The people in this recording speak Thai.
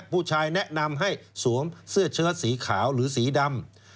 ผู้ชายแนะนำให้สวมเสื้อเชิดสีขาวหรือสีดำ